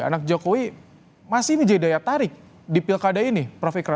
anak jokowi masih menjadi daya tarik di pilkada ini prof ikrar